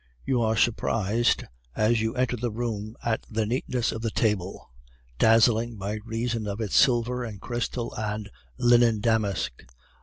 "You are surprised as you enter the room at the neatness of the table, dazzling by reason of its silver and crystal and linen damask.